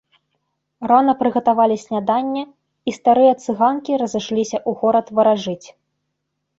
Рана прыгатавалі снеданне, і старыя цыганкі разышліся ў горад варажыць.